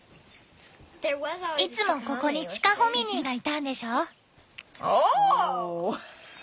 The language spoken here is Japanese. いつもここにチカホミニーがいたんでしょ。